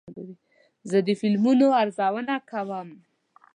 زه د فلمونو ارزونه کوم.